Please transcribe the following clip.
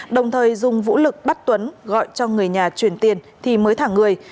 đồng thời dùng vũ lực bắt tuấn gọi cho người nhà chuyển tiền thì mới thả người